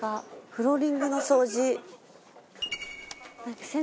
フローリングの掃除。